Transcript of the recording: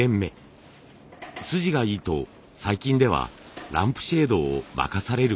筋がいいと最近ではランプシェードを任されることも。